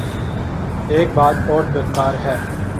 ایک بات اور درکار ہے۔